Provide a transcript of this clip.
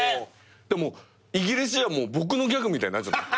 イギリスじゃ僕のギャグみたいになっちゃった。